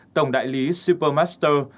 tổng đại lý supermaster